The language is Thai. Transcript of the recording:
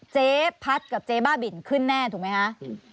เจ๊พัดกับเจ๊บ้าบินขึ้นแน่ถูกไหมคะ